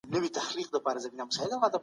هغې خپله درملنه په اردن کې وکړه.